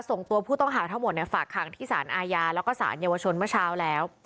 ส่งตัวผู้ต้องหาทั้งหมดฝากขังที่สารอาญาแล้วก็สารเยาวชนเมื่อเช้าแล้ว